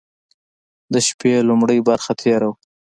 د شپې لومړۍ برخه تېره وه.